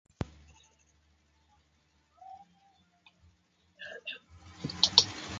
The hapless swain had once been honored with the love of the goddess.